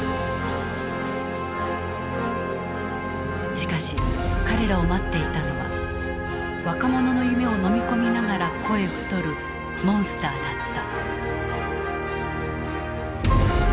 しかし彼らを待っていたのは若者の夢を飲み込みながら肥え太るモンスターだった。